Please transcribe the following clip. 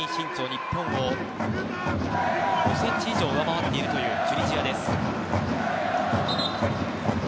日本を５ｃｍ以上上回っている、チュニジアです。